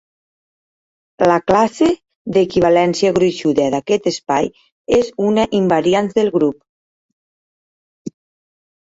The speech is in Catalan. La classe d'equivalència gruixuda d'aquest espai és una invariants del grup.